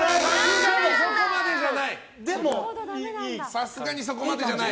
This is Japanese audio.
さすがにそこまでじゃない。